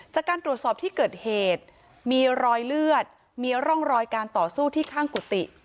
จากการตรวจสอบที่เกิดเหตุมีรอยเลือดมีร่องรอยการต่อสู้ที่ข้างกุฏิ